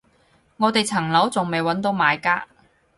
我哋層樓仲未搵到買家